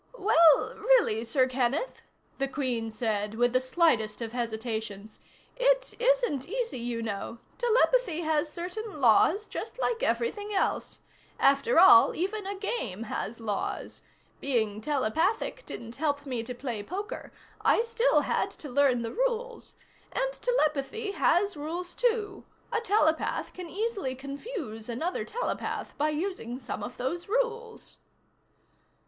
"Well, really, Sir Kenneth," the Queen said with the slightest of hesitations, "it isn't easy, you know. Telepathy has certain laws, just like everything else. After all, even a game has laws. Being telepathic didn't help me to play poker I still had to learn the rules. And telepathy has rules, too. A telepath can easily confuse another telepath by using some of those rules."